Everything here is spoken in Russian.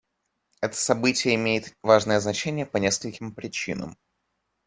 Это событие имеет важное значение по нескольким причинам.